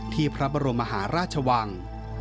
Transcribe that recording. ที่พระบรมหาราชวัง